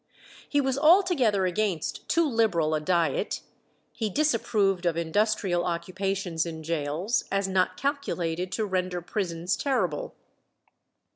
He was altogether against too liberal a diet; he disapproved of industrial occupations in gaols, as not calculated to render prisons terrible.